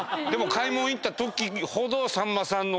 買いもん行ったときほどさんまさんの。